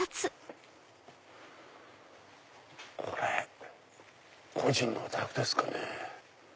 これ個人のお宅ですかね。